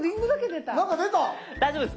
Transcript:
大丈夫です。